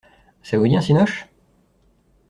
ça vous dit un cinoche?